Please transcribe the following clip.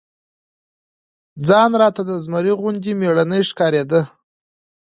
ځان راته د زمري غوندي مېړنى ښکارېده.